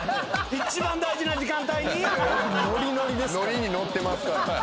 ノリに乗ってますから。